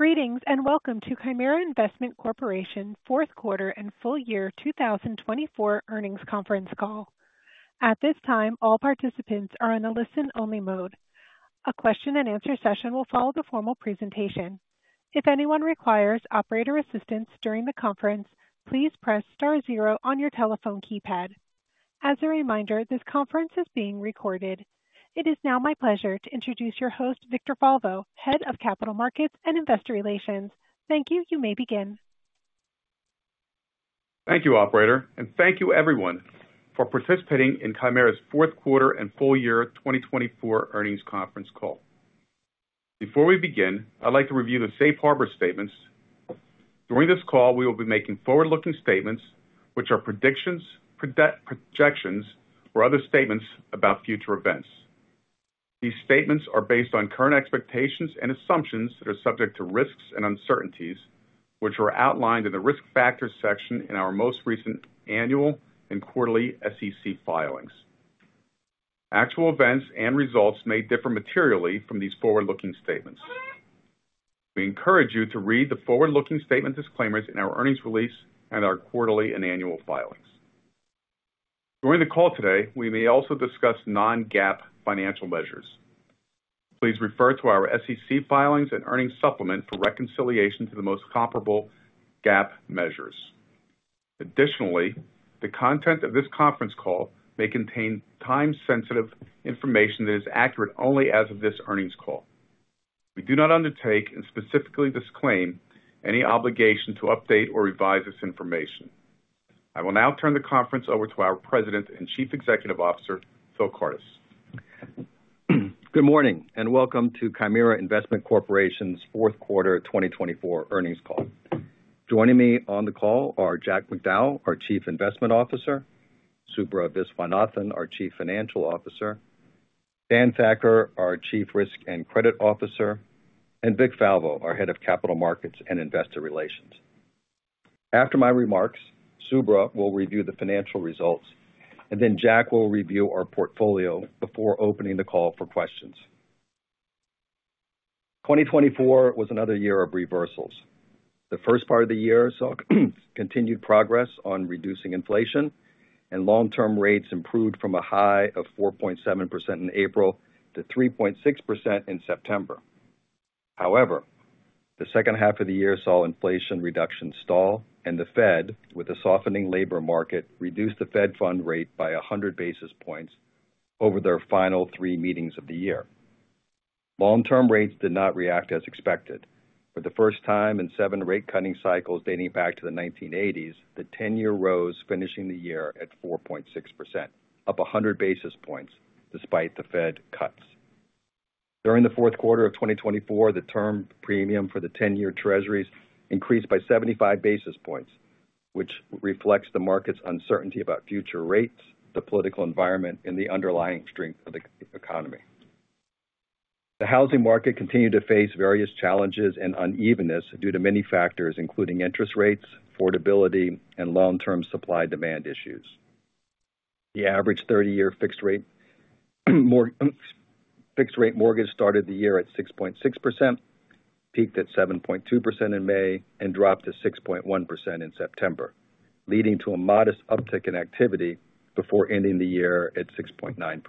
Greetings and welcome to Chimera Investment Corporation's fourth quarter and full year 2024 earnings conference call. At this time, all participants are in a listen-only mode. A question-and-answer session will follow the formal presentation. If anyone requires operator assistance during the conference, please press star zero on your telephone keypad. As a reminder, this conference is being recorded. It is now my pleasure to introduce your host, Victor Falvo, Head of Capital Markets and Investor Relations. Thank you. You may begin. Thank you, Operator, and thank you, everyone, for participating in Chimera's fourth quarter and full year 2024 earnings conference call. Before we begin, I'd like to review the Safe Harbor statements. During this call, we will be making forward-looking statements, which are predictions, projections, or other statements about future events. These statements are based on current expectations and assumptions that are subject to risks and uncertainties, which are outlined in the risk factors section in our most recent annual and quarterly SEC filings. Actual events and results may differ materially from these forward-looking statements. We encourage you to read the forward-looking statement disclaimers in our earnings release and our quarterly and annual filings. During the call today, we may also discuss non-GAAP financial measures. Please refer to our SEC filings and earnings supplement for reconciliation to the most comparable GAAP measures. Additionally, the content of this conference call may contain time-sensitive information that is accurate only as of this earnings call. We do not undertake and specifically disclaim any obligation to update or revise this information. I will now turn the conference over to our President and Chief Executive Officer, Phil Kardis. Good morning and welcome to Chimera Investment Corporation's fourth quarter 2024 earnings call. Joining me on the call are Jack Macdowell, our Chief Investment Officer, Subra Viswanathan, our Chief Financial Officer, Dan Thakkar, our Chief Risk and Credit Officer, and Vic Falvo, our Head of Capital Markets and Investor Relations. After my remarks, Subra will review the financial results, and then Jack will review our portfolio before opening the call for questions. 2024 was another year of reversals. The first part of the year saw continued progress on reducing inflation, and long-term rates improved from a high of 4.7% in April to 3.6% in September. However, the second half of the year saw inflation reductions stall, and the Fed, with a softening labor market, reduced the Fed Funds rate by 100 basis points over their final three meetings of the year. Long-term rates did not react as expected. For the first time in seven rate-cutting cycles dating back to the 1980s, the 10-year rose finishing the year at 4.6%, up 100 basis points despite the Fed cuts. During the fourth quarter of 2024, the term premium for the 10-year Treasuries increased by 75 basis points, which reflects the market's uncertainty about future rates, the political environment, and the underlying strength of the economy. The housing market continued to face various challenges and unevenness due to many factors, including interest rates, affordability, and long-term supply-demand issues. The average 30-year fixed-rate mortgage started the year at 6.6%, peaked at 7.2% in May, and dropped to 6.1% in September, leading to a modest uptick in activity before ending the year at 6.9%.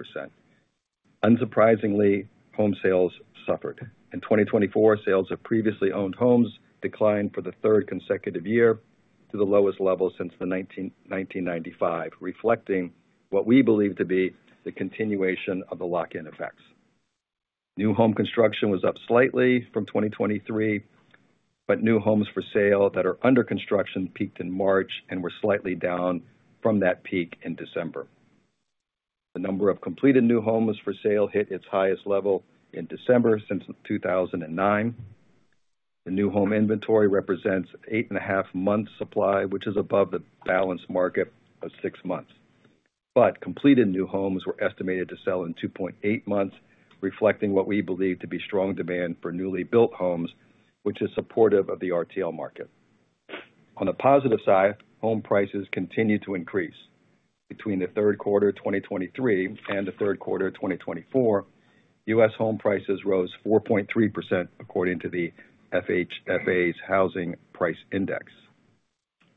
Unsurprisingly, home sales suffered. In 2024, sales of previously owned homes declined for the third consecutive year to the lowest level since 1995, reflecting what we believe to be the continuation of the lock-in effects. New home construction was up slightly from 2023, but new homes for sale that are under construction peaked in March and were slightly down from that peak in December. The number of completed new homes for sale hit its highest level in December since 2009. The new home inventory represents eight and a half months' supply, which is above the balanced market of six months. But completed new homes were estimated to sell in 2.8 months, reflecting what we believe to be strong demand for newly built homes, which is supportive of the RTL market. On the positive side, home prices continued to increase. Between the third quarter of 2023 and the third quarter of 2024, U.S. home prices rose 4.3%, according to the FHFA Housing Price Index.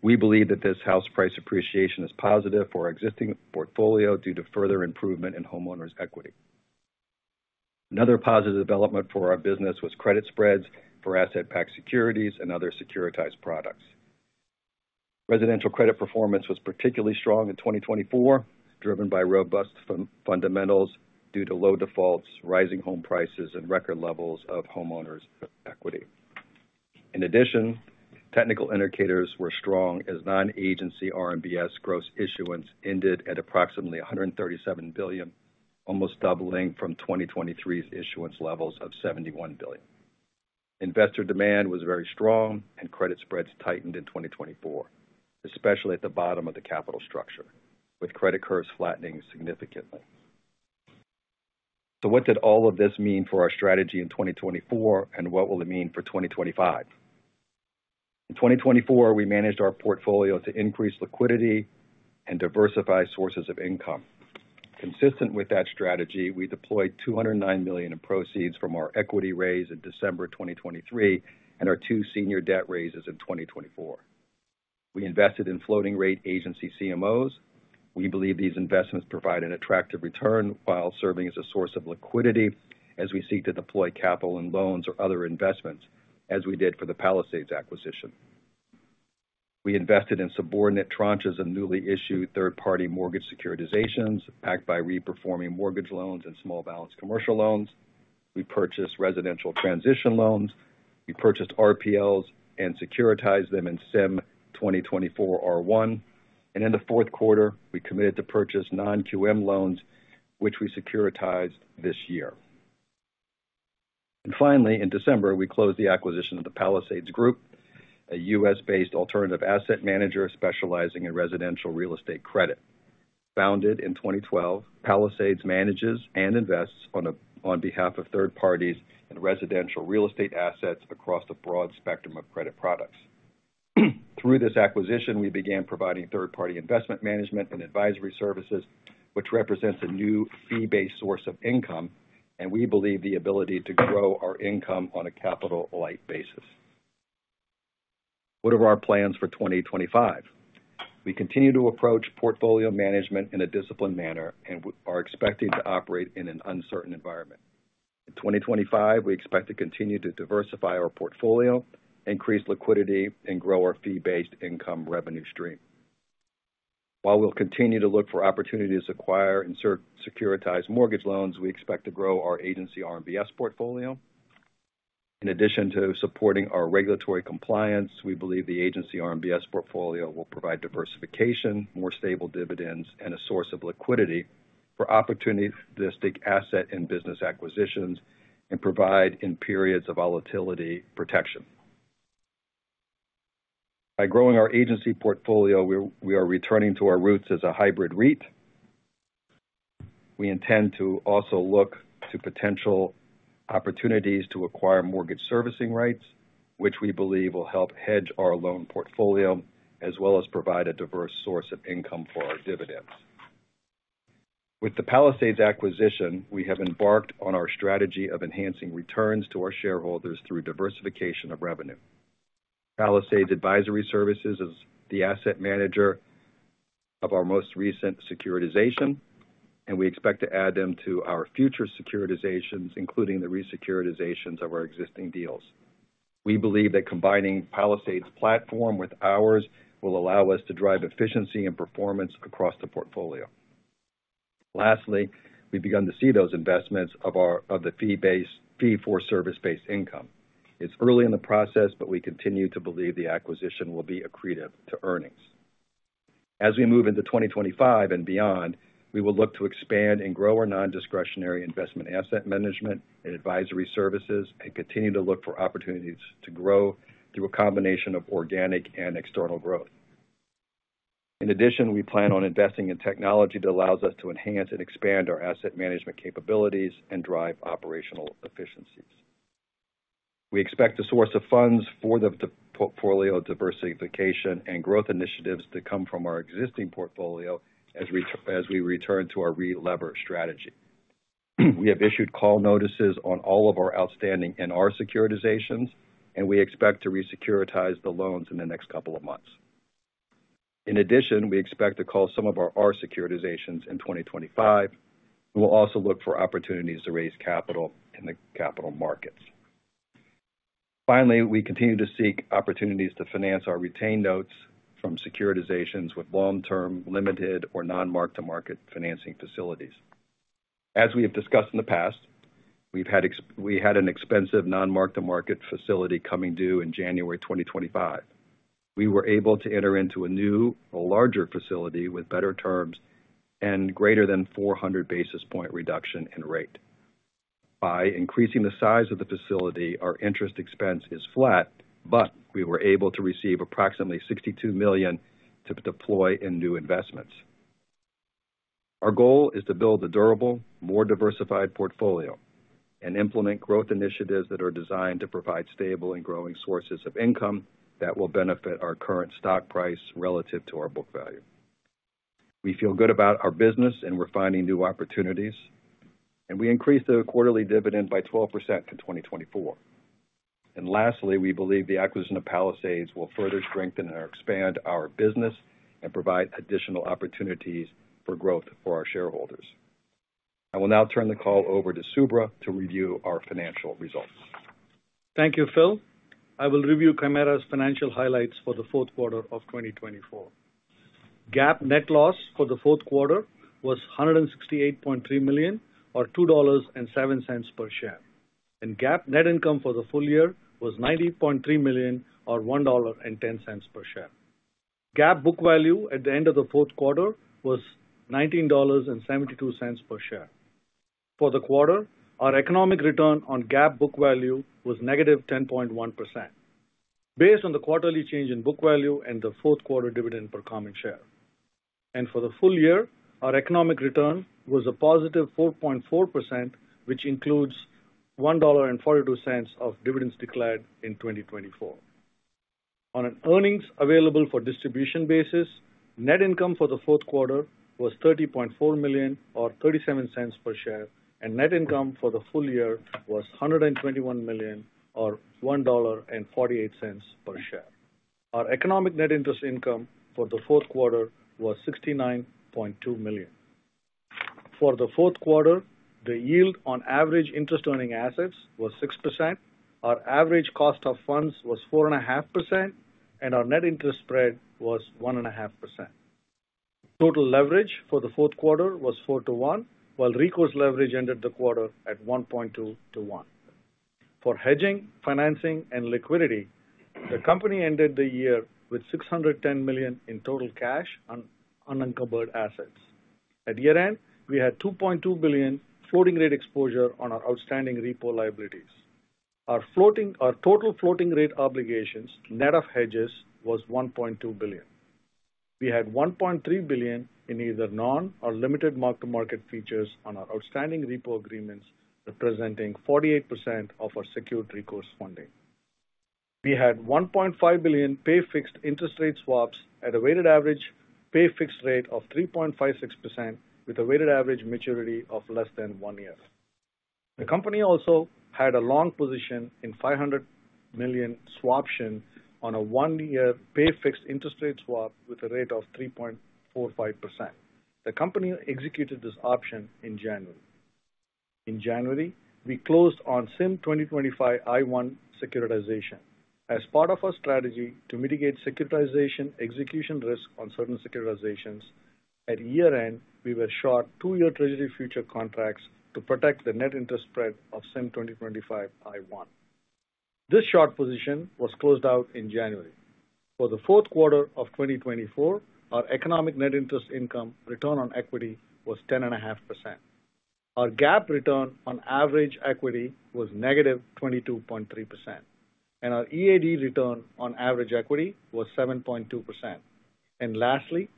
We believe that this house price appreciation is positive for our existing portfolio due to further improvement in homeowners' equity. Another positive development for our business was credit spreads for asset-backed securities and other securitized products. Residential credit performance was particularly strong in 2024, driven by robust fundamentals due to low defaults, rising home prices, and record levels of homeowners' equity. In addition, technical indicators were strong as non-agency RMBS gross issuance ended at approximately $137 billion, almost doubling from 2023's issuance levels of $71 billion. Investor demand was very strong, and credit spreads tightened in 2024, especially at the bottom of the capital structure, with credit curves flattening significantly. So what did all of this mean for our strategy in 2024, and what will it mean for 2025? In 2024, we managed our portfolio to increase liquidity and diversify sources of income. Consistent with that strategy, we deployed $209 million in proceeds from our equity raise in December 2023 and our two senior debt raises in 2024. We invested in floating-rate agency CMOs. We believe these investments provide an attractive return while serving as a source of liquidity as we seek to deploy capital in loans or other investments, as we did for the Palisades acquisition. We invested in subordinate tranches of newly issued third-party mortgage securitizations, backed by reperforming mortgage loans and small balance commercial loans. We purchased residential transition loans. We purchased RPLs and securitized them in CIM 2024-R1. And in the fourth quarter, we committed to purchase non-QM loans, which we securitized this year. Finally, in December, we closed the acquisition of the Palisades Group, a U.S.-based alternative asset manager specializing in residential real estate credit. Founded in 2012, Palisades manages and invests on behalf of third parties in residential real estate assets across the broad spectrum of credit products. Through this acquisition, we began providing third-party investment management and advisory services, which represents a new fee-based source of income, and we believe the ability to grow our income on a capital-light basis. What are our plans for 2025? We continue to approach portfolio management in a disciplined manner and are expecting to operate in an uncertain environment. In 2025, we expect to continue to diversify our portfolio, increase liquidity, and grow our fee-based income revenue stream. While we'll continue to look for opportunities to acquire and securitize mortgage loans, we expect to grow our Agency RMBS portfolio. In addition to supporting our regulatory compliance, we believe the agency RMBS portfolio will provide diversification, more stable dividends, and a source of liquidity for opportunistic asset and business acquisitions and provide, in periods of volatility, protection. By growing our agency portfolio, we are returning to our roots as a hybrid REIT. We intend to also look to potential opportunities to acquire mortgage servicing rights, which we believe will help hedge our loan portfolio as well as provide a diverse source of income for our dividends. With the Palisades acquisition, we have embarked on our strategy of enhancing returns to our shareholders through diversification of revenue. Palisades Advisory Services is the asset manager of our most recent securitization, and we expect to add them to our future securitizations, including the re-securitizations of our existing deals. We believe that combining Palisades' platform with ours will allow us to drive efficiency and performance across the portfolio. Lastly, we've begun to see those investments of the fee-for-service-based income. It's early in the process, but we continue to believe the acquisition will be accretive to earnings. As we move into 2025 and beyond, we will look to expand and grow our non-discretionary investment asset management and advisory services and continue to look for opportunities to grow through a combination of organic and external growth. In addition, we plan on investing in technology that allows us to enhance and expand our asset management capabilities and drive operational efficiencies. We expect a source of funds for the portfolio diversification and growth initiatives to come from our existing portfolio as we return to our re-lever strategy. We have issued call notices on all of our outstanding NR securitizations, and we expect to re-securitize the loans in the next couple of months. In addition, we expect to call some of our R securitizations in 2025. We will also look for opportunities to raise capital in the capital markets. Finally, we continue to seek opportunities to finance our retained notes from securitizations with long-term limited or non-mark-to-market financing facilities. As we have discussed in the past, we had an expensive non-mark-to-market facility coming due in January 2025. We were able to enter into a new, larger facility with better terms and greater than 400 basis point reduction in rate. By increasing the size of the facility, our interest expense is flat, but we were able to receive approximately $62 million to deploy in new investments. Our goal is to build a durable, more diversified portfolio and implement growth initiatives that are designed to provide stable and growing sources of income that will benefit our current stock price relative to our book value. We feel good about our business and we're finding new opportunities, and we increased the quarterly dividend by 12% in 2024. And lastly, we believe the acquisition of Palisades will further strengthen and expand our business and provide additional opportunities for growth for our shareholders. I will now turn the call over to Subra to review our financial results. Thank you, Phil. I will review Chimera's financial highlights for the fourth quarter of 2024. GAAP net loss for the fourth quarter was $168.3 million, or $2.07 per share, and GAAP net income for the full year was $90.3 million, or $1.10 per share. GAAP book value at the end of the fourth quarter was $19.72 per share. For the quarter, our economic return on GAAP book value was negative 10.1%, based on the quarterly change in book value and the fourth quarter dividend per common share, and for the full year, our economic return was a positive 4.4%, which includes $1.42 of dividends declared in 2024. On an earnings available for distribution basis, net income for the fourth quarter was $30.4 million, or $0.37 per share, and net income for the full year was $121 million, or $1.48 per share. Our economic net interest income for the fourth quarter was $69.2 million. For the fourth quarter, the yield on average interest-earning assets was 6%. Our average cost of funds was 4.5%, and our net interest spread was 1.5%. Total leverage for the fourth quarter was 4 to 1, while recourse leverage ended the quarter at 1.2 to 1. For hedging, financing, and liquidity, the company ended the year with $610 million in total cash on unencumbered assets. At year-end, we had $2.2 billion floating-rate exposure on our outstanding repo liabilities. Our total floating-rate obligations, net of hedges, was $1.2 billion. We had $1.3 billion in either non- or limited mark-to-market features on our outstanding repo agreements, representing 48% of our secured recourse funding. We had $1.5 billion pay-fixed interest rate swaps at a weighted average pay-fixed rate of 3.56%, with a weighted average maturity of less than one year. The company also had a long position in $500 million swaption on a one-year pay-fixed interest rate swap with a rate of 3.45%. The company executed this option in January. In January, we closed on CIM 2025-I1 securitization as part of our strategy to mitigate securitization execution risk on certain securitizations. At year-end, we were short two-year Treasury futures contracts to protect the net interest spread of CIM 2025-I1. This short position was closed out in January. For the fourth quarter of 2024, our economic net interest income return on equity was 10.5%. Our GAAP return on average equity was negative 22.3%, and our EAD return on average equity was 7.2%. And lastly,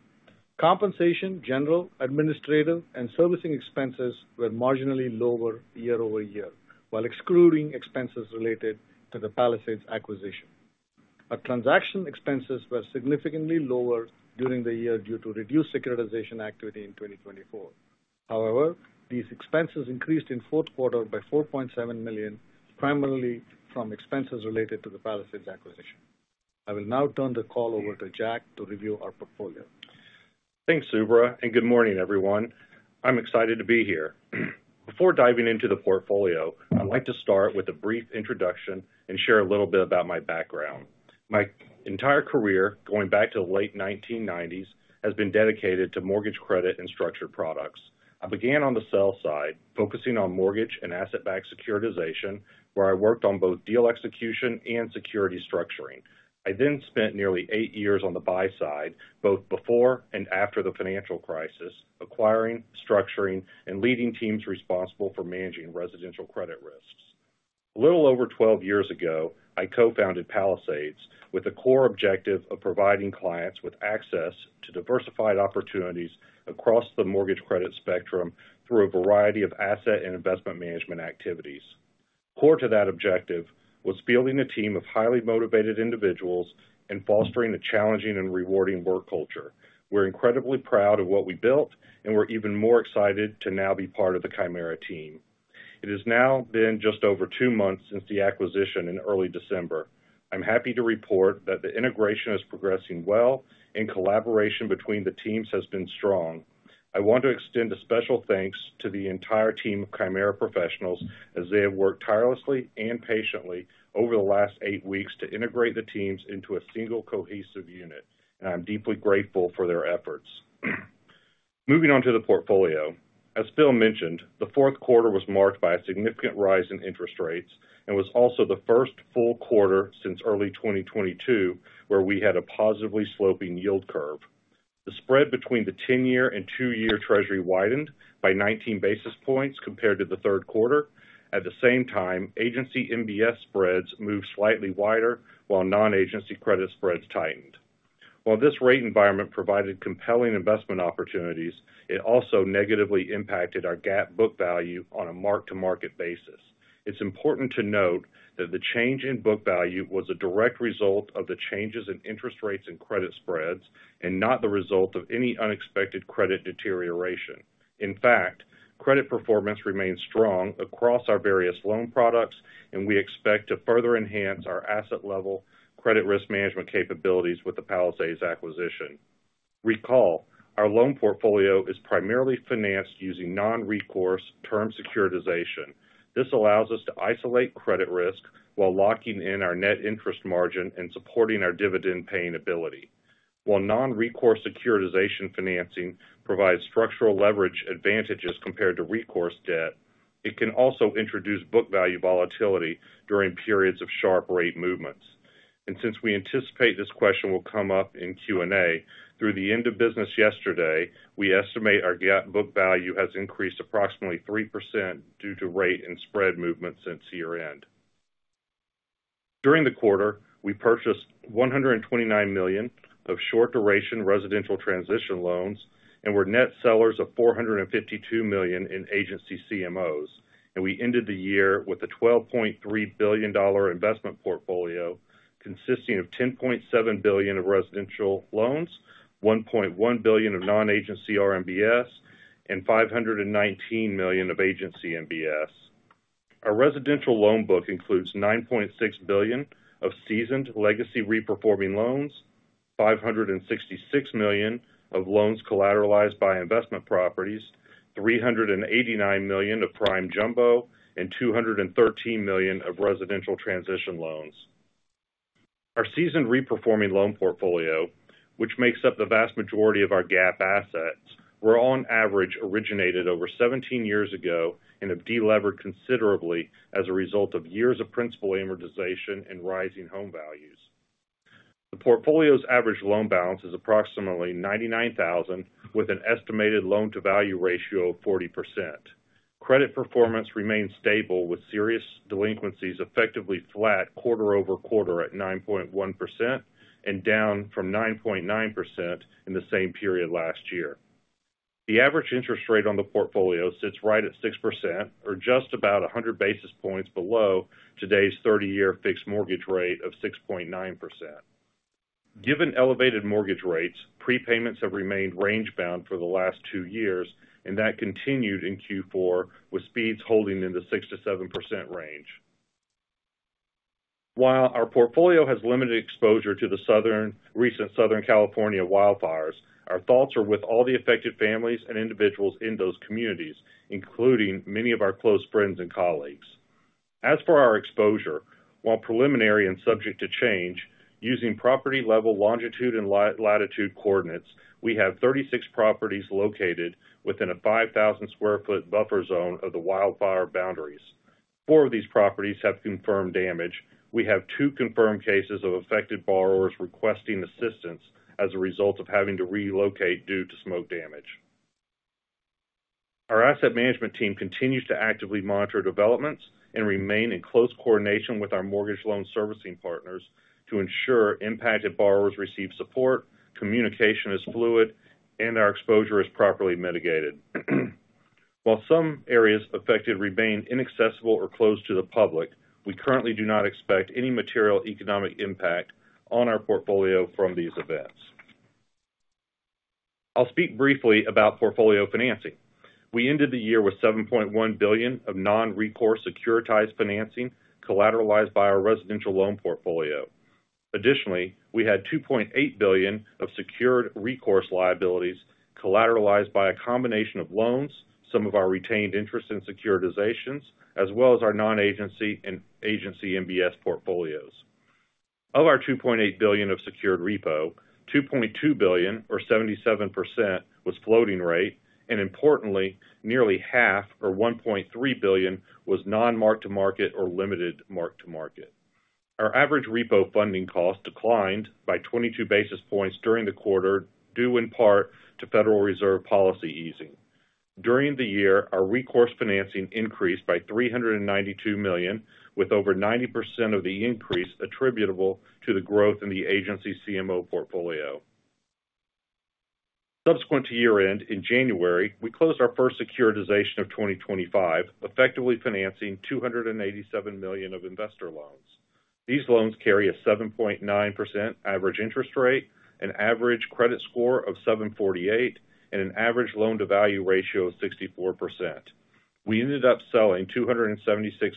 compensation, general, administrative, and servicing expenses were marginally lower year over year, while excluding expenses related to the Palisades acquisition. Our transaction expenses were significantly lower during the year due to reduced securitization activity in 2024. However, these expenses increased in fourth quarter by $4.7 million, primarily from expenses related to the Palisades acquisition. I will now turn the call over to Jack to review our portfolio. Thanks, Subra, and good morning, everyone. I'm excited to be here. Before diving into the portfolio, I'd like to start with a brief introduction and share a little bit about my background. My entire career, going back to the late 1990s, has been dedicated to mortgage credit and structured products. I began on the sell side, focusing on mortgage and asset-backed securitization, where I worked on both deal execution and security structuring. I then spent nearly eight years on the buy side, both before and after the financial crisis, acquiring, structuring, and leading teams responsible for managing residential credit risks. A little over 12 years ago, I co-founded Palisades with the core objective of providing clients with access to diversified opportunities across the mortgage credit spectrum through a variety of asset and investment management activities. Core to that objective was building a team of highly motivated individuals and fostering a challenging and rewarding work culture. We're incredibly proud of what we built, and we're even more excited to now be part of the Chimera team. It has now been just over two months since the acquisition in early December. I'm happy to report that the integration is progressing well, and collaboration between the teams has been strong. I want to extend a special thanks to the entire team of Chimera professionals as they have worked tirelessly and patiently over the last eight weeks to integrate the teams into a single cohesive unit, and I'm deeply grateful for their efforts. Moving on to the portfolio. As Phil mentioned, the fourth quarter was marked by a significant rise in interest rates and was also the first full quarter since early 2022 where we had a positively sloping yield curve. The spread between the 10-year and 2-year Treasury widened by 19 basis points compared to the third quarter. At the same time, agency MBS spreads moved slightly wider, while non-agency credit spreads tightened. While this rate environment provided compelling investment opportunities, it also negatively impacted our GAAP book value on a mark-to-market basis. It's important to note that the change in book value was a direct result of the changes in interest rates and credit spreads and not the result of any unexpected credit deterioration. In fact, credit performance remained strong across our various loan products, and we expect to further enhance our asset-level credit risk management capabilities with the Palisades acquisition. Recall, our loan portfolio is primarily financed using non-recourse term securitization. This allows us to isolate credit risk while locking in our net interest margin and supporting our dividend-paying ability. While non-recourse securitization financing provides structural leverage advantages compared to recourse debt, it can also introduce book value volatility during periods of sharp rate movements. And since we anticipate this question will come up in Q&A through the end of business yesterday, we estimate our GAAP book value has increased approximately 3% due to rate and spread movements since year-end. During the quarter, we purchased $129 million of short-duration residential transition loans and were net sellers of $452 million in agency CMOs. And we ended the year with a $12.3 billion investment portfolio consisting of $10.7 billion of residential loans, $1.1 billion of non-agency RMBS, and $519 million of agency MBS. Our residential loan book includes $9.6 billion of seasoned legacy reperforming loans, $566 million of loans collateralized by investment properties, $389 million of prime jumbo, and $213 million of residential transition loans. Our seasoned reperforming loan portfolio, which makes up the vast majority of our GAAP assets, were on average originated over 17 years ago and have de-levered considerably as a result of years of principal amortization and rising home values. The portfolio's average loan balance is approximately $99,000, with an estimated loan-to-value ratio of 40%. Credit performance remained stable, with serious delinquencies effectively flat quarter over quarter at 9.1% and down from 9.9% in the same period last year. The average interest rate on the portfolio sits right at 6%, or just about 100 basis points below today's 30-year fixed mortgage rate of 6.9%. Given elevated mortgage rates, prepayments have remained range-bound for the last two years, and that continued in Q4, with speeds holding in the 6%-7% range. While our portfolio has limited exposure to the recent Southern California wildfires, our thoughts are with all the affected families and individuals in those communities, including many of our close friends and colleagues. As for our exposure, while preliminary and subject to change, using property-level longitude and latitude coordinates, we have 36 properties located within a 5,000-square-foot buffer zone of the wildfire boundaries. Four of these properties have confirmed damage. We have two confirmed cases of affected borrowers requesting assistance as a result of having to relocate due to smoke damage. Our asset management team continues to actively monitor developments and remain in close coordination with our mortgage loan servicing partners to ensure impacted borrowers receive support, communication is fluid, and our exposure is properly mitigated. While some areas affected remain inaccessible or closed to the public, we currently do not expect any material economic impact on our portfolio from these events. I'll speak briefly about portfolio financing. We ended the year with $7.1 billion of non-recourse securitized financing collateralized by our residential loan portfolio. Additionally, we had $2.8 billion of secured recourse liabilities collateralized by a combination of loans, some of our retained interest in securitizations, as well as our non-agency and agency MBS portfolios. Of our $2.8 billion of secured repo, $2.2 billion, or 77%, was floating rate, and importantly, nearly half, or $1.3 billion, was non-mark-to-market or limited mark-to-market. Our average repo funding cost declined by 22 basis points during the quarter, due in part to Federal Reserve policy easing. During the year, our recourse financing increased by $392 million, with over 90% of the increase attributable to the growth in the Agency CMO portfolio. Subsequent to year-end, in January, we closed our first securitization of 2025, effectively financing $287 million of investor loans. These loans carry a 7.9% average interest rate, an average credit score of 748, and an average loan-to-value ratio of 64%. We ended up selling $276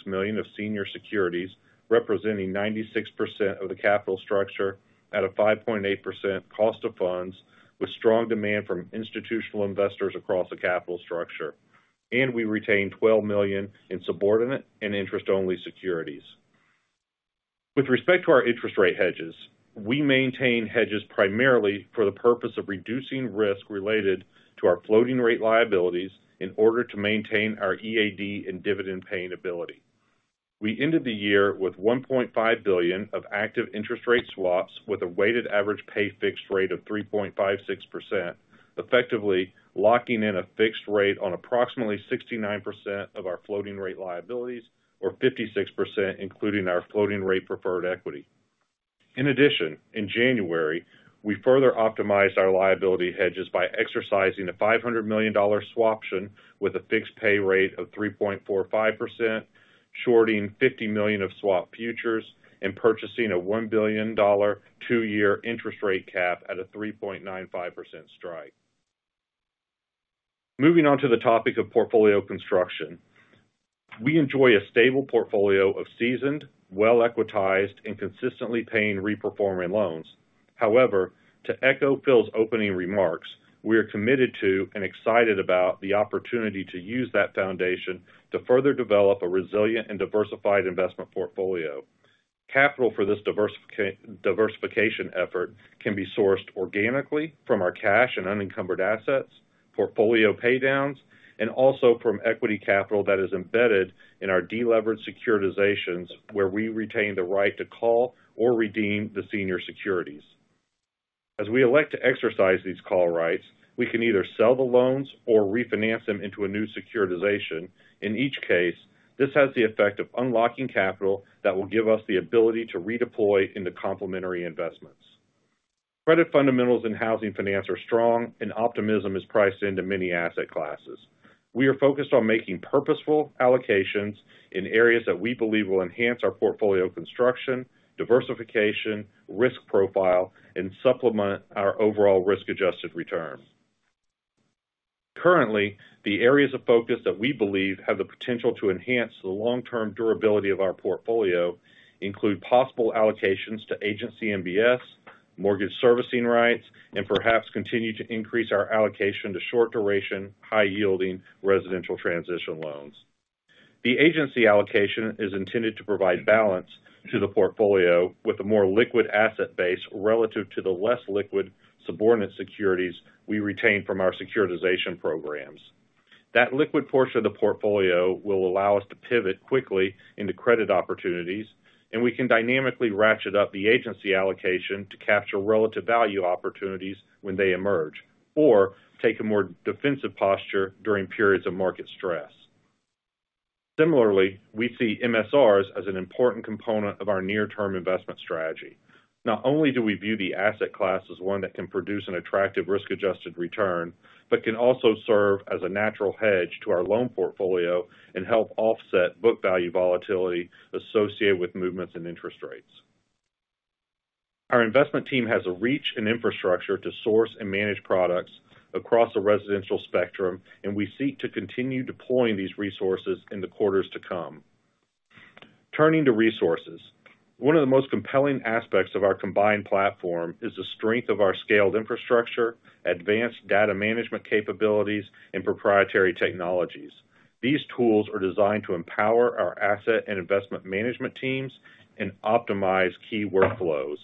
million of senior securities, representing 96% of the capital structure at a 5.8% cost of funds, with strong demand from institutional investors across the capital structure, and we retained $12 million in subordinate and interest-only securities. With respect to our interest rate hedges, we maintain hedges primarily for the purpose of reducing risk related to our floating-rate liabilities in order to maintain our EAD and dividend-paying ability. We ended the year with $1.5 billion of active interest rate swaps with a weighted average pay-fixed rate of 3.56%, effectively locking in a fixed rate on approximately 69% of our floating-rate liabilities, or 56%, including our floating-rate preferred equity. In addition, in January, we further optimized our liability hedges by exercising a $500 million swaption with a fixed pay rate of 3.45%, shorting $50 million of swap futures and purchasing a $1 billion two-year interest rate cap at a 3.95% strike. Moving on to the topic of portfolio construction, we enjoy a stable portfolio of seasoned, well-equitized, and consistently paying reperforming loans. However, to echo Phil's opening remarks, we are committed to and excited about the opportunity to use that foundation to further develop a resilient and diversified investment portfolio. Capital for this diversification effort can be sourced organically from our cash and unencumbered assets, portfolio paydowns, and also from equity capital that is embedded in our de-levered securitizations, where we retain the right to call or redeem the senior securities. As we elect to exercise these call rights, we can either sell the loans or refinance them into a new securitization. In each case, this has the effect of unlocking capital that will give us the ability to redeploy into complementary investments. Credit fundamentals in housing finance are strong, and optimism is priced into many asset classes. We are focused on making purposeful allocations in areas that we believe will enhance our portfolio construction, diversification, risk profile, and supplement our overall risk-adjusted return. Currently, the areas of focus that we believe have the potential to enhance the long-term durability of our portfolio include possible allocations to agency MBS, mortgage servicing rights, and perhaps continue to increase our allocation to short-duration, high-yielding residential transition loans. The agency allocation is intended to provide balance to the portfolio with a more liquid asset base relative to the less liquid subordinate securities we retain from our securitization programs. That liquid portion of the portfolio will allow us to pivot quickly into credit opportunities, and we can dynamically ratchet up the agency allocation to capture relative value opportunities when they emerge or take a more defensive posture during periods of market stress. Similarly, we see MSRs as an important component of our near-term investment strategy. Not only do we view the asset class as one that can produce an attractive risk-adjusted return, but can also serve as a natural hedge to our loan portfolio and help offset book value volatility associated with movements in interest rates. Our investment team has a reach and infrastructure to source and manage products across the residential spectrum, and we seek to continue deploying these resources in the quarters to come. Turning to resources, one of the most compelling aspects of our combined platform is the strength of our scaled infrastructure, advanced data management capabilities, and proprietary technologies. These tools are designed to empower our asset and investment management teams and optimize key workflows.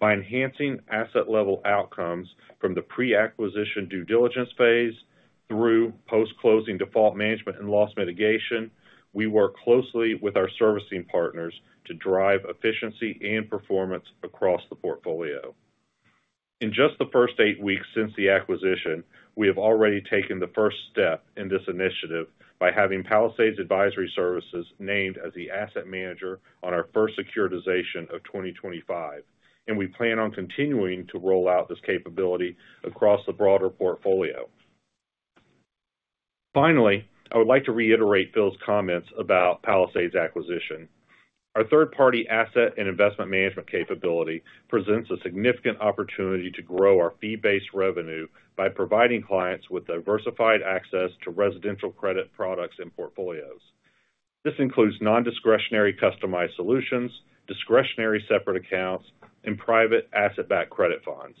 By enhancing asset-level outcomes from the pre-acquisition due diligence phase through post-closing default management and loss mitigation, we work closely with our servicing partners to drive efficiency and performance across the portfolio. In just the first eight weeks since the acquisition, we have already taken the first step in this initiative by having Palisades Advisory Services named as the asset manager on our first securitization of 2025, and we plan on continuing to roll out this capability across the broader portfolio. Finally, I would like to reiterate Phil's comments about Palisades acquisition. Our third-party asset and investment management capability presents a significant opportunity to grow our fee-based revenue by providing clients with diversified access to residential credit products and portfolios. This includes non-discretionary customized solutions, discretionary separate accounts, and private asset-backed credit funds.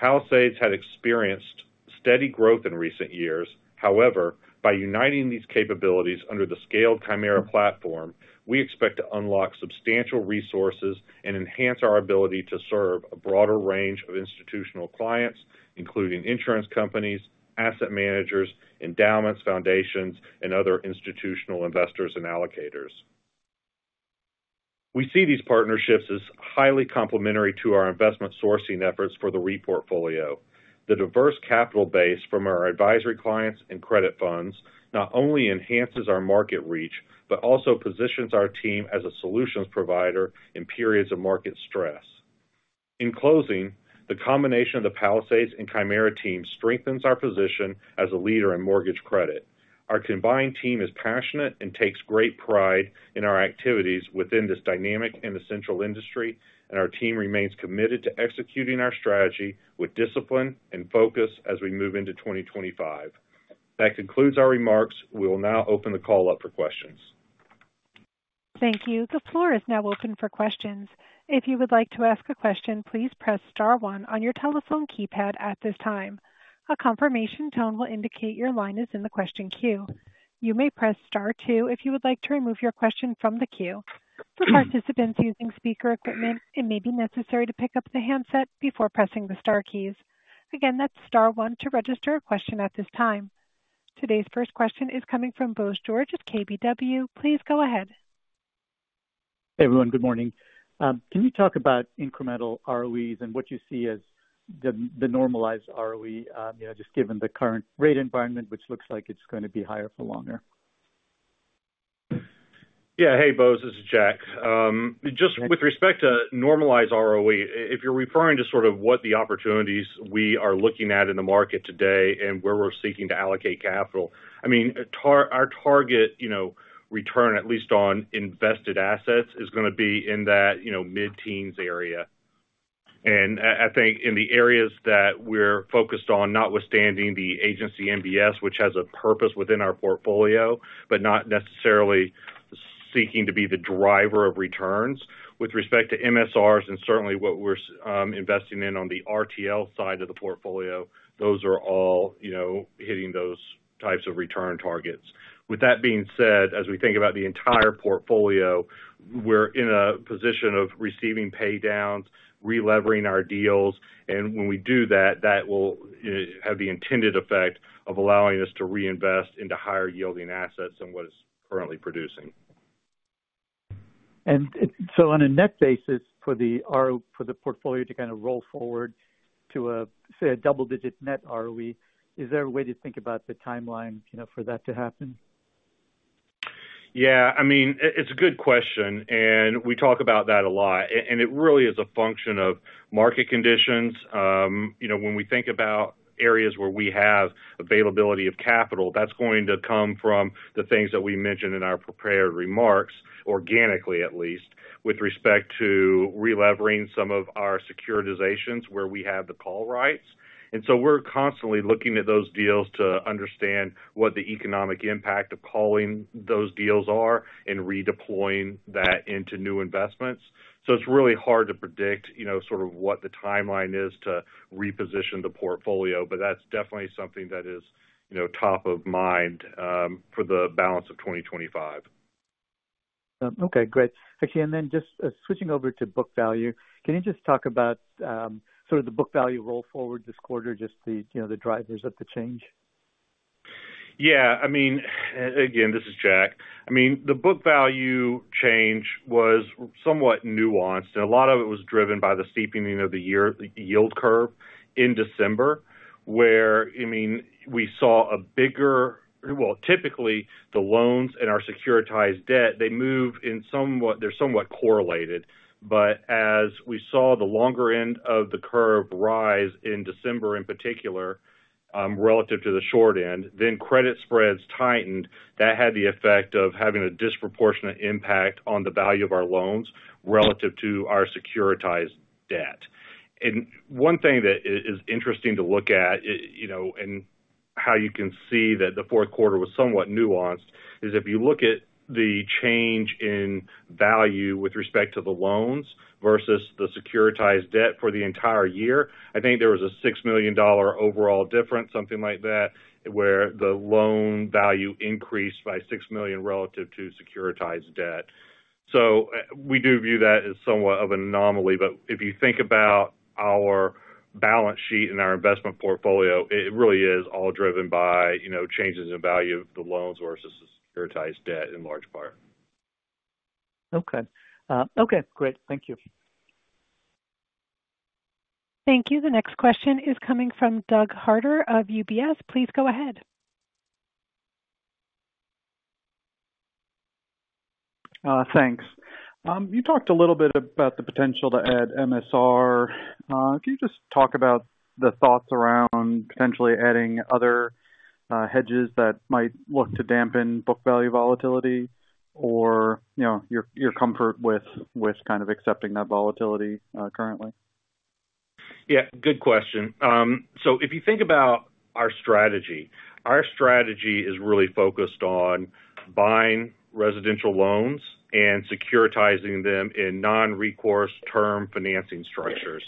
Palisades had experienced steady growth in recent years. However, by uniting these capabilities under the scaled Chimera platform, we expect to unlock substantial resources and enhance our ability to serve a broader range of institutional clients, including insurance companies, asset managers, endowments, foundations, and other institutional investors and allocators. We see these partnerships as highly complementary to our investment sourcing efforts for the RE portfolio. The diverse capital base from our advisory clients and credit funds not only enhances our market reach, but also positions our team as a solutions provider in periods of market stress. In closing, the combination of the Palisades and Chimera team strengthens our position as a leader in mortgage credit. Our combined team is passionate and takes great pride in our activities within this dynamic and essential industry, and our team remains committed to executing our strategy with discipline and focus as we move into 2025. That concludes our remarks. We will now open the call up for questions. Thank you. The floor is now open for questions. If you would like to ask a question, please press star one on your telephone keypad at this time. A confirmation tone will indicate your line is in the question queue. You may press star two if you would like to remove your question from the queue. For participants using speaker equipment, it may be necessary to pick up the handset before pressing the star keys. Again, that's star one to register a question at this time. Today's first question is coming from Bose George KBW. Please go ahead. Hey, everyone. Good morning. Can you talk about incremental ROEs and what you see as the normalized ROE, just given the current rate environment, which looks like it's going to be higher for longer? Yeah. Hey, Bose. This is Jack. Just with respect to normalized ROE, if you're referring to sort of what the opportunities we are looking at in the market today and where we're seeking to allocate capital, I mean, our target return, at least on invested assets, is going to be in that mid-teens area. And I think in the areas that we're focused on, notwithstanding the agency MBS, which has a purpose within our portfolio, but not necessarily seeking to be the driver of returns. With respect to MSRs and certainly what we're investing in on the RTL side of the portfolio, those are all hitting those types of return targets. With that being said, as we think about the entire portfolio, we're in a position of receiving paydowns, re-levering our deals, and when we do that, that will have the intended effect of allowing us to reinvest into higher-yielding assets than what it's currently producing. And so on a net basis, for the portfolio to kind of roll forward to a, say, a double-digit net ROE, is there a way to think about the timeline for that to happen? Yeah. I mean, it's a good question, and we talk about that a lot. And it really is a function of market conditions. When we think about areas where we have availability of capital, that's going to come from the things that we mentioned in our prepared remarks, organically, at least, with respect to re-levering some of our securitizations where we have the call rights. And so we're constantly looking at those deals to understand what the economic impact of calling those deals are and redeploying that into new investments. It's really hard to predict sort of what the timeline is to reposition the portfolio, but that's definitely something that is top of mind for the balance of 2025. Okay. Great. Actually, and then just switching over to book value, can you just talk about sort of the book value roll forward this quarter, just the drivers of the change? Yeah. I mean, again, this is Jack. I mean, the book value change was somewhat nuanced, and a lot of it was driven by the steepening of the yield curve in December, where, I mean, we saw a bigger, typically, the loans and our securitized debt, they move in somewhat. They're somewhat correlated. But as we saw the longer end of the curve rise in December, in particular, relative to the short end, then credit spreads tightened. That had the effect of having a disproportionate impact on the value of our loans relative to our securitized debt. And one thing that is interesting to look at and how you can see that the fourth quarter was somewhat nuanced is if you look at the change in value with respect to the loans versus the securitized debt for the entire year, I think there was a $6 million overall difference, something like that, where the loan value increased by $6 million relative to securitized debt. So we do view that as somewhat of an anomaly, but if you think about our balance sheet and our investment portfolio, it really is all driven by changes in value of the loans versus the securitized debt in large part. Okay. Okay. Great. Thank you. Thank you. The next question is coming from Doug Harter of UBS. Please go ahead. Thanks. You talked a little bit about the potential to add MSR. Can you just talk about the thoughts around potentially adding other hedges that might look to dampen book value volatility or your comfort with kind of accepting that volatility currently? Yeah. Good question. So if you think about our strategy, our strategy is really focused on buying residential loans and securitizing them in non-recourse term financing structures.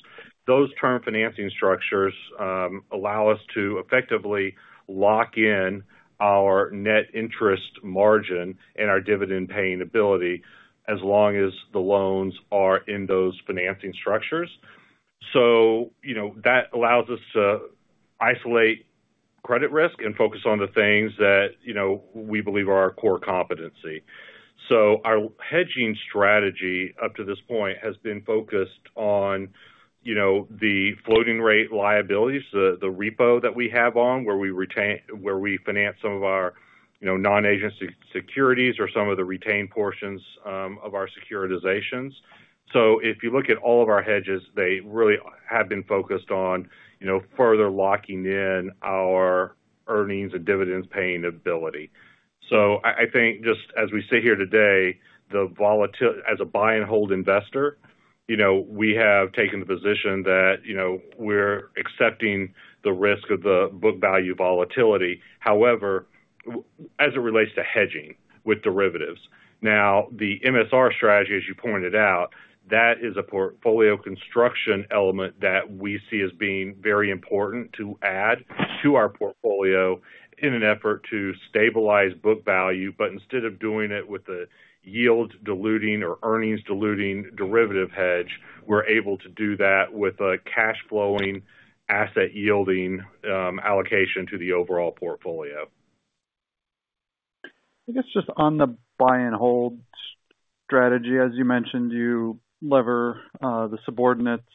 Those term financing structures allow us to effectively lock in our net interest margin and our dividend-paying ability as long as the loans are in those financing structures. So that allows us to isolate credit risk and focus on the things that we believe are our core competency. Our hedging strategy up to this point has been focused on the floating rate liabilities, the repo that we have on, where we finance some of our non-agency securities or some of the retained portions of our securitizations. If you look at all of our hedges, they really have been focused on further locking in our earnings and dividends-paying ability. I think just as we sit here today, as a buy-and-hold investor, we have taken the position that we're accepting the risk of the book value volatility. However, as it relates to hedging with derivatives, now, the MSR strategy, as you pointed out, that is a portfolio construction element that we see as being very important to add to our portfolio in an effort to stabilize book value. But instead of doing it with a yield-diluting or earnings-diluting derivative hedge, we're able to do that with a cash-flowing asset-yielding allocation to the overall portfolio. I guess just on the buy-and-hold strategy, as you mentioned, you lever the subordinates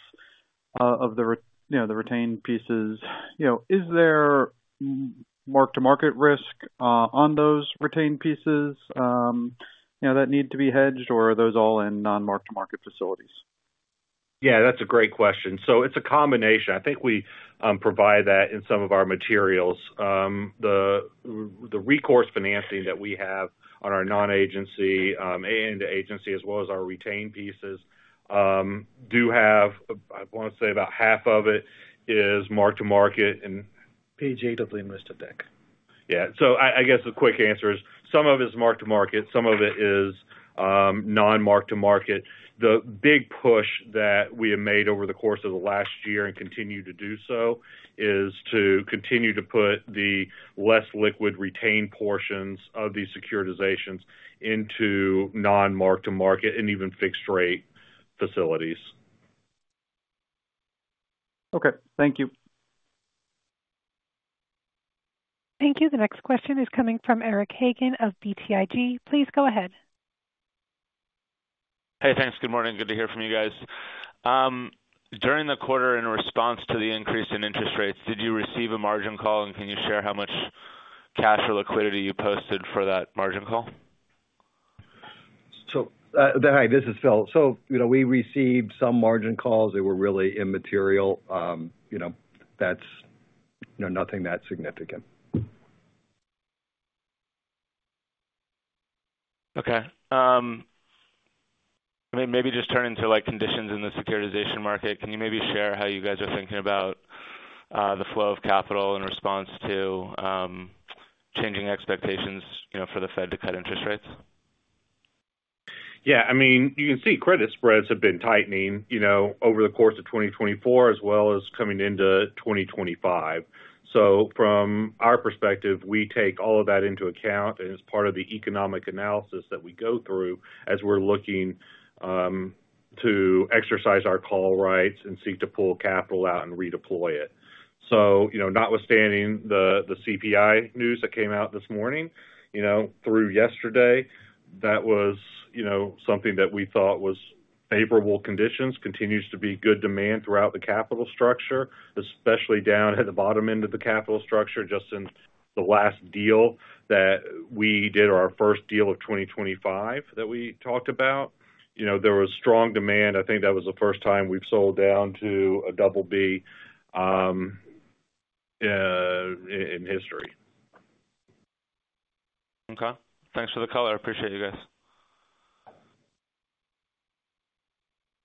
of the retained pieces. Is there mark-to-market risk on those retained pieces that need to be hedged, or are those all in non-mark-to-market facilities? Yeah. That's a great question. So it's a combination. I think we provide that in some of our materials. The recourse financing that we have on our non-agency and agency, as well as our retained pieces, do have. I want to say about half of it is mark-to-market and. Page eight of the list, I think. Yeah. So I guess the quick answer is some of it is mark-to-market. Some of it is non-mark-to-market. The big push that we have made over the course of the last year and continue to do so is to continue to put the less liquid retained portions of these securitizations into non-mark-to-market and even fixed-rate facilities. Okay. Thank you. Thank you. The next question is coming from Eric Hagen of BTIG. Please go ahead. Hey, thanks. Good morning. Good to hear from you guys. During the quarter, in response to the increase in interest rates, did you receive a margin call, and can you share how much cash or liquidity you posted for that margin call? Hi. This is Phil. So we received some margin calls that were really immaterial. That's nothing that significant. Okay. I mean, maybe just turning to conditions in the securitization market, can you maybe share how you guys are thinking about the flow of capital in response to changing expectations for the Fed to cut interest rates? Yeah. I mean, you can see credit spreads have been tightening over the course of 2024 as well as coming into 2025. So from our perspective, we take all of that into account, and it's part of the economic analysis that we go through as we're looking to exercise our call rights and seek to pull capital out and redeploy it. So notwithstanding the CPI news that came out this morning through yesterday, that was something that we thought was favorable conditions. Continues to be good demand throughout the capital structure, especially down at the bottom end of the capital structure. Just in the last deal that we did, our first deal of 2025 that we talked about, there was strong demand. I think that was the first time we've sold down to a double B in history. Okay. Thanks for the call. I appreciate you guys.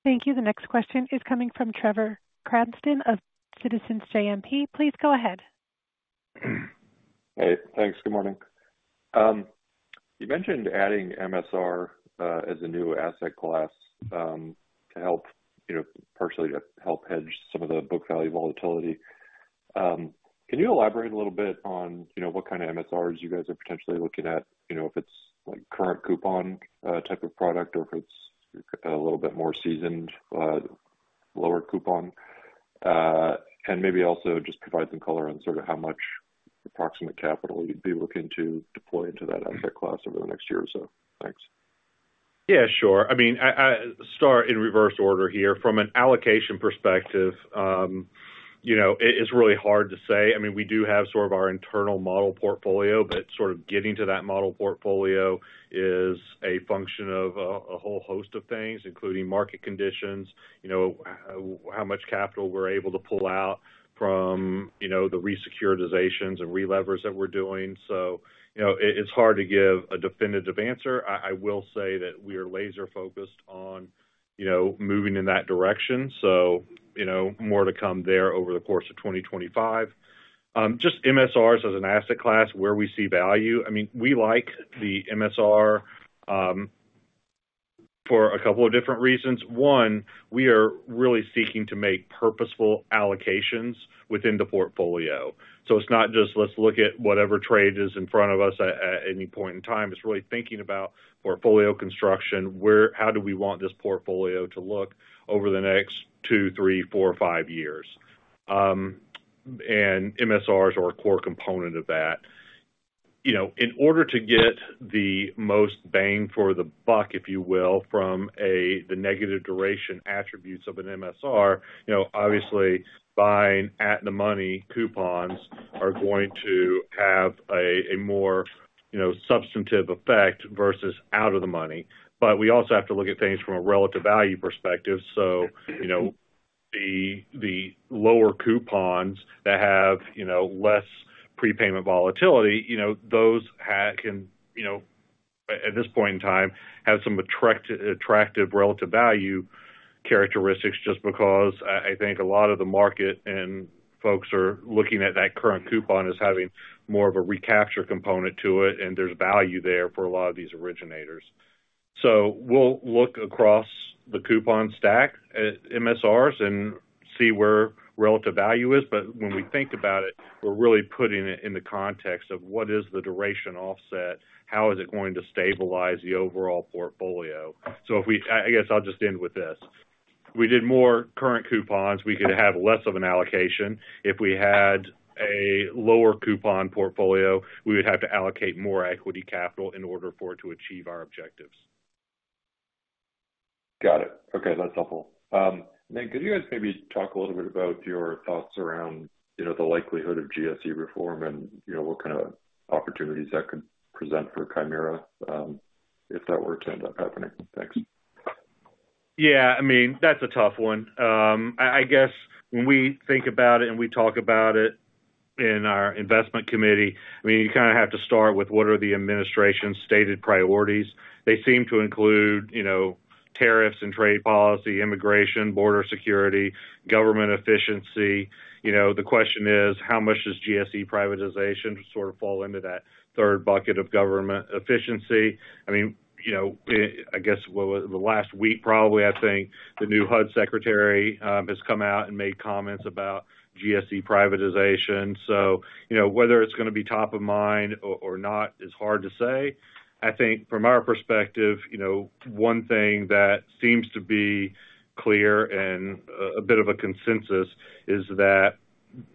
Thank you. The next question is coming from Trevor Cranston of Citizens JMP. Please go ahead. Hey. Thanks. Good morning. You mentioned adding MSR as a new asset class to help partially hedge some of the book value volatility. Can you elaborate a little bit on what kind of MSRs you guys are potentially looking at, if it's current coupon type of product or if it's a little bit more seasoned, lower coupon? And maybe also just provide some color on sort of how much approximate capital you'd be looking to deploy into that asset class over the next year or so. Thanks. Yeah. Sure. I mean, I start in reverse order here. From an allocation perspective, it's really hard to say. I mean, we do have sort of our internal model portfolio, but sort of getting to that model portfolio is a function of a whole host of things, including market conditions, how much capital we're able to pull out from the resecuritizations and re-levers that we're doing. So it's hard to give a definitive answer. I will say that we are laser-focused on moving in that direction. So more to come there over the course of 2025. Just MSRs as an asset class, where we see value. I mean, we like the MSR for a couple of different reasons. One, we are really seeking to make purposeful allocations within the portfolio. So it's not just, "Let's look at whatever trade is in front of us at any point in time." It's really thinking about portfolio construction. How do we want this portfolio to look over the next two, three, four, five years? And MSRs are a core component of that. In order to get the most bang for the buck, if you will, from the negative duration attributes of an MSR, obviously, buying at-the-money coupons are going to have a more substantive effect versus out-of-the-money. But we also have to look at things from a relative value perspective. So the lower coupons that have less prepayment volatility, those can, at this point in time, have some attractive relative value characteristics just because I think a lot of the market and folks are looking at that current coupon as having more of a recapture component to it, and there's value there for a lot of these originators. So we'll look across the coupon stack at MSRs and see where relative value is. But when we think about it, we're really putting it in the context of what is the duration offset? How is it going to stabilize the overall portfolio? So I guess I'll just end with this. We did more current coupons, we could have less of an allocation. If we had a lower coupon portfolio, we would have to allocate more equity capital in order for it to achieve our objectives. Got it. Okay. That's helpful. And then could you guys maybe talk a little bit about your thoughts around the likelihood of GSE reform and what kind of opportunities that could present for Chimera if that were to end up happening? Thanks. Yeah. I mean, that's a tough one. I guess when we think about it and we talk about it in our investment committee, I mean, you kind of have to start with what are the administration's stated priorities. They seem to include tariffs and trade policy, immigration, border security, government efficiency. The question is, how much does GSE privatization sort of fall into that third bucket of government efficiency? I mean, I guess the last week, probably, I think the new HUD secretary has come out and made comments about GSE privatization. So whether it's going to be top of mind or not is hard to say. I think from our perspective, one thing that seems to be clear and a bit of a consensus is that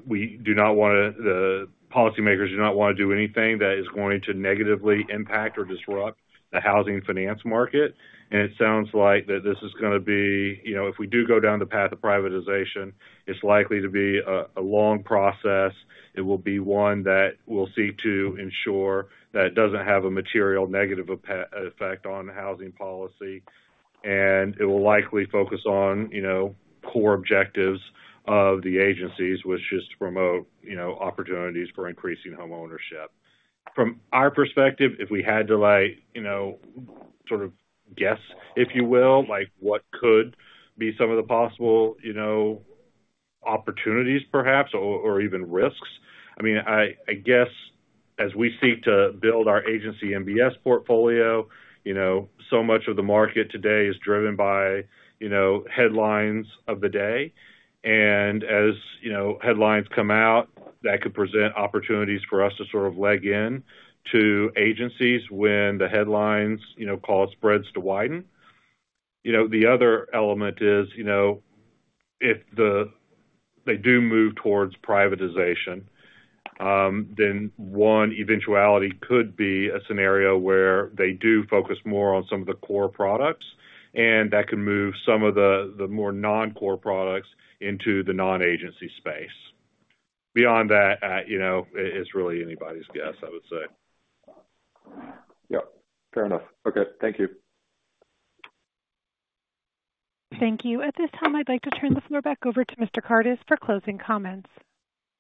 the policymakers do not want to do anything that is going to negatively impact or disrupt the housing finance market. It sounds like if we do go down the path of privatization, it's likely to be a long process. It will be one that will seek to ensure that it doesn't have a material negative effect on housing policy. It will likely focus on core objectives of the agencies, which is to promote opportunities for increasing homeownership. From our perspective, if we had to sort of guess, if you will, what could be some of the possible opportunities, perhaps, or even risks, I mean, I guess as we seek to build our agency MBS portfolio, so much of the market today is driven by headlines of the day, and as headlines come out, that could present opportunities for us to sort of leg in to agencies when the headlines call spreads to widen. The other element is if they do move towards privatization, then one eventuality could be a scenario where they do focus more on some of the core products, and that can move some of the more non-core products into the non-agency space. Beyond that, it's really anybody's guess, I would say. Yep. Fair enough. Okay. Thank you. Thank you. At this time, I'd like to turn the floor back over to Mr. Kardis for closing comments.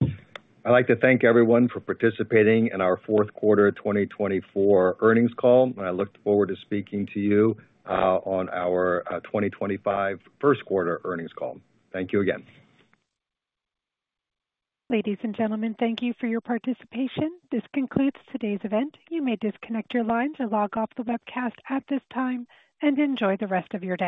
I'd like to thank everyone for participating in our fourth quarter 2024 earnings call, and I look forward to speaking to you on our 2025 first quarter earnings call. Thank you again. Ladies and gentlemen, thank you for your participation. This concludes today's event. You may disconnect your lines or log off the webcast at this time and enjoy the rest of your day.